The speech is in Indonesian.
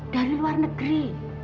dari luar negeri